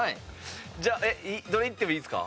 じゃあどれいってもいいですか？